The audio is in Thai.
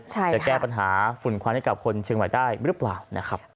จะแก้ปัญหาฝุ่นควันให้กับคนเชียงใหม่ได้หรือเปล่านะครับ